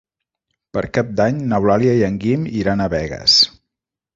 Per Cap d'Any n'Eulàlia i en Guim iran a Begues.